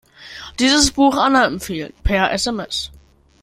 Dieses Buch Anna empfehlen, per SMS.